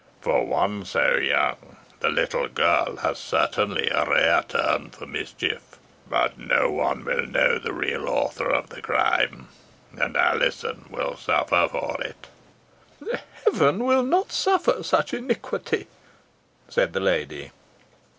For one so young, the little girl has certainly a rare turn for mischief. But no one will know the real author of the crime, and Alizon will suffer for it." "Heaven will not suffer such iniquity," said the lady.